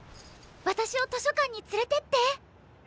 私を図書館に連れてって。